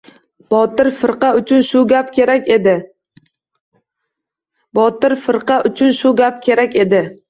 Botir firqa uchun shu gap kerak edi.